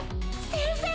先生！